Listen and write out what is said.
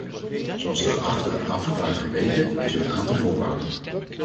Zoals de geachte afgevaardigden weten, is er een aantal voorwaarden.